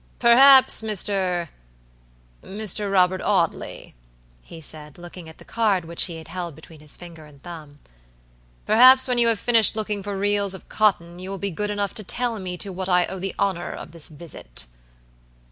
"Perhaps, Mr. , Mr. Robert Audley!" he said, looking at the card which he held between his finger and thumb, "perhaps when you have finished looking for reels of cotton, you will be good enough to tell me to what I owe the honor of this visit?"